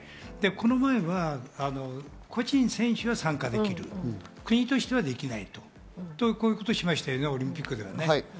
この前は個人選手は参加できる、国としてはできないというふうにしましたよね、オリンピックでは。